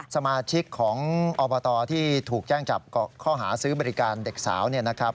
สมาชิกของอบตที่ถูกแจ้งจับข้อหาซื้อบริการเด็กสาวเนี่ยนะครับ